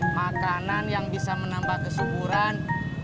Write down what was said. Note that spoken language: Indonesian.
makanan yang bisa menambah kesuburan